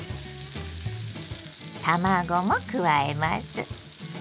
卵も加えます。